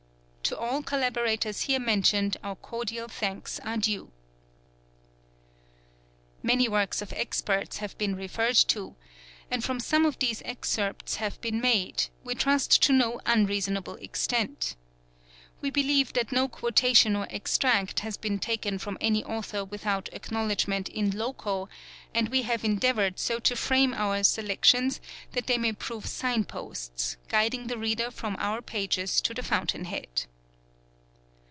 To all collaborators here mentioned _ be / our cordial thanks are due. | 3 } Many works of experts have been referred to and from some of these — excerpts have been made, we trust to no unreasonable extent. We B believe that no quotation or extract has been taken from any author * without acknowledgment in loco, and we have endeavoured so to frame our selections that they may prove signposts, guiding the reader from ~ our pages to the fountainhead.